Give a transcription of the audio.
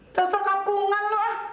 rasanya kampungan lah